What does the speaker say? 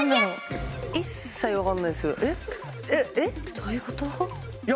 どういうこと？